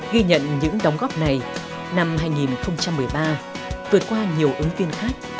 ghi nhận những đóng góp này năm hai nghìn một mươi ba vượt qua nhiều ứng viên khác